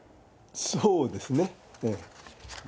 そうですね。